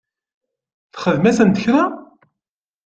Txdem-asent kra?